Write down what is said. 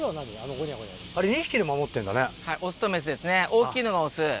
オスとメスです大きいのがオス。